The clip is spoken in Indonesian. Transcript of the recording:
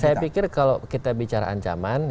saya pikir kalau kita bicara ancaman